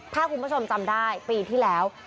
ถ้าคุณผู้ชมจำได้ปีที่แล้ว